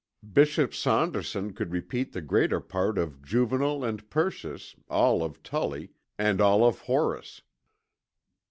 Bishop Saunderson could repeat the greater part of Juvenal and Perseus, all of Tully, and all of Horace.